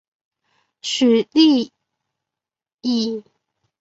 许力以。